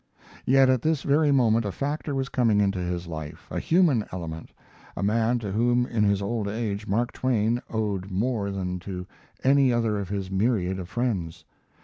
Yet at this very moment a factor was coming into his life, a human element, a man to whom in his old age Mark Twain owed more than to any other of his myriad of friends.